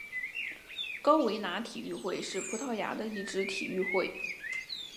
高维拿体育会是葡萄牙的一支体育会。